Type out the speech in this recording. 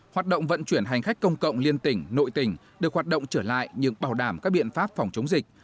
hoạt động vận chuyển hành khách công cộng liên tỉnh nội tỉnh được hoạt động trở lại nhưng bảo đảm các biện pháp phòng chống dịch